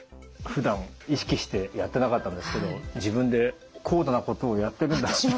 ふだん意識してやってなかったんですけど自分で高度なことをやってるんだなって。